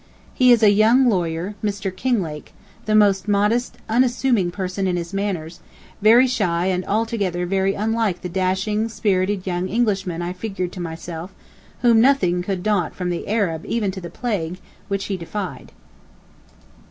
He is a young lawyer, Mr. Kinglake, the most modest, unassuming person in his manners, very shy and altogether very unlike the dashing, spirited young Englishman I figured to myself, whom nothing could daunt from the Arab even to the plague, which he defied.